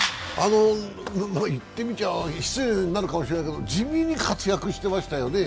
失礼になるかもしれないけど地味に活躍してましたよね。